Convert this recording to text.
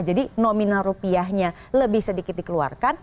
jadi nominal rupiahnya lebih sedikit dikeluarkan